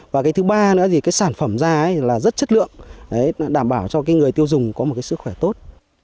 và thứ ba là sản phẩm da rất chất lượng đảm bảo cho người tiêu dùng có một sức khỏe tốt